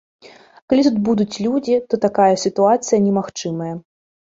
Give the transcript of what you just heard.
Калі тут будуць людзі, то такая сітуацыя немагчымая.